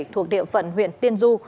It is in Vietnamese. thuộc địa phận huyện tiên du